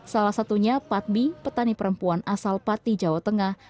salah satunya patbi petani perempuan asal pati jawa tengah